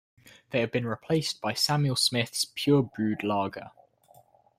These have been replaced by Samuel Smith's Pure Brewed Lager.